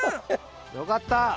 よかった！